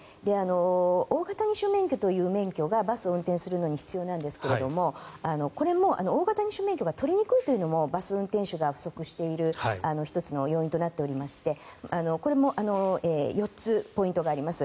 大型二種免許という免許がバスを運転するのに必要なんですがこれも大型二種免許が取りにくいというのもバス運転手が不足している１つの要因となっておりましてこれも４つポイントがあります。